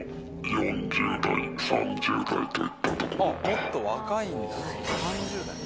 もっと若いんだ。